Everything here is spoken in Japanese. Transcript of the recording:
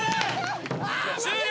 終了！